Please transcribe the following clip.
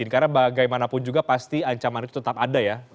karena bagaimanapun juga pasti ancaman itu tetap ada ya